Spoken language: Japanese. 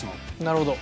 なるほど。